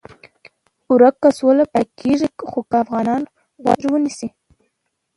ورکه سوله پیدا کېږي خو که افغانان غوږ ونیسي.